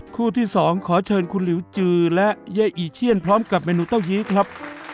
คู่ที่สองขอเชิญคุณหลิวจือและเย้อีเชียนพร้อมกับเมนูเต้ายี้ครับ